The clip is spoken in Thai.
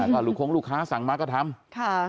ก็หลุดคงลูกค้าสั่งมาก็ทำ